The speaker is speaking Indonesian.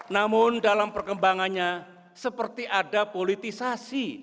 namun dalam perkembangannya seperti ada politisasi